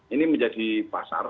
ini menjadi pasar